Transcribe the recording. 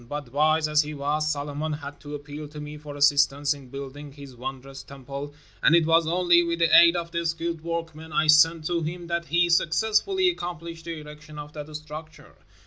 But wise as he was, Solomon had to appeal to me for assistance in building his wondrous Temple, and it was only with the aid of the skilled workmen I sent to him that he successfully accomplished the erection of that structure.